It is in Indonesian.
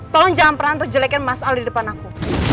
tolong jangan pernah ngejelekin mas al di depan aku